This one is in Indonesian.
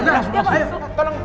aduh malah sikut sikut